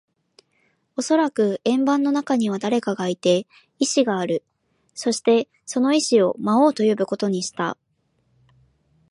おそらく円盤の中には誰かがいて、意志がある。そして、その意思を魔王と呼ぶことにした。